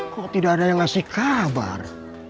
kok tidak ada yang ngasih kabar